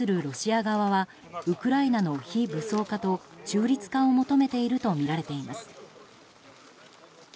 ロシア側はウクライナの非武装化と中立化を求めているとみられています。